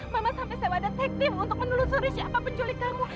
mama sampai sewa detektif untuk menelusuri siapa penculik kamu